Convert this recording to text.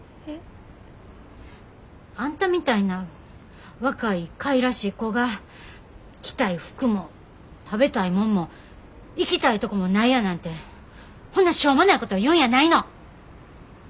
えっ？あんたみたいな若いかいらしい子が着たい服も食べたいもんも行きたいとこもないやなんてほんなしょうもないこと言うんやないの！